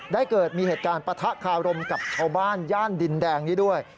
ได้เกิดมีเหตุการณ์ปะทะคารมกับชาวบ้านย่านดินแดงนี้ด้วย